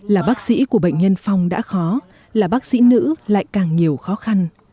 là bác sĩ của bệnh nhân phong đã khó là bác sĩ nữ lại càng nhiều khó khăn